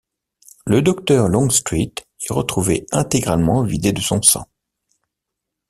Le docteur Longstreet est retrouvé intégralement vidé de son sang.